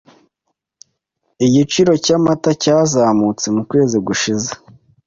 Igiciro cyamata cyazamutse mukwezi gushize.